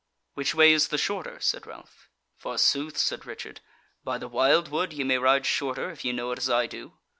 "Which way is the shorter?" said Ralph. "Forsooth," said Richard, "by the wildwood ye may ride shorter, if ye know it as I do."